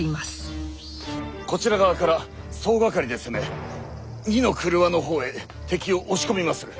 こちら側から総掛かりで攻め二之曲輪の方へ敵を押し込みまする。